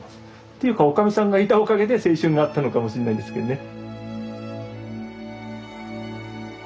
ていうかおかみさんがいたおかげで青春があったのかもしんないんですけどね。